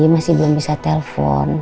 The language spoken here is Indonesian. masih belum bisa telfon